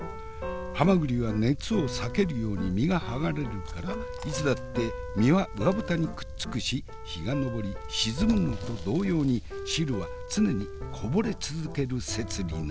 はまぐりは熱を避けるように身が剥がれるからいつだって身は上蓋にくっつくし日が昇り沈むのと同様に汁は常にこぼれ続ける摂理なり。